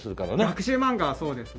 学習漫画はそうです。